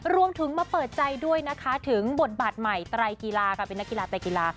รวมถึงมาเปิดใจด้วยนะคะถึงบทบาทใหม่ไตรกีฬาค่ะเป็นนักกีฬาไตรกีฬา